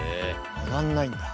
上がんないんだ。